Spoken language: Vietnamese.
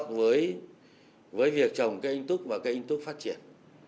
phù hợp với việc trồng cây ách túc và cây ách túc phát triển